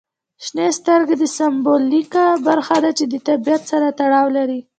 شنې سترګې د سمبولیکه برخه ده چې د طبیعت سره تړاو لري.